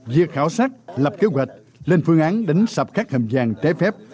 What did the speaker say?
việc khảo sát lập kế hoạch lên phương án đánh sập các hầm vàng trái phép